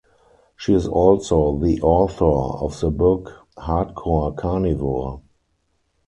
She is also the author of the book "Hardcore Carnivore".